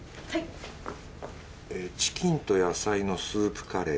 チキンと野菜のスープカレー。